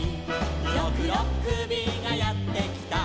「ろくろっくびがやってきた」